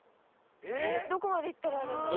どこまで行ったらあるんだろう？